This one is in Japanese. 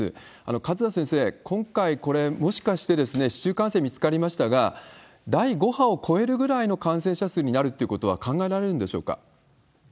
勝田先生、今回これ、もしかして市中感染見つかりましたが、第５波を超えるぐらいの感染者数になるってことは考えられるんでしょうか？